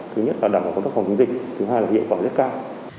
thứ nhất là đảm bảo công tác phòng chống dịch thứ hai là hiệu quả rất cao